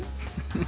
フフ。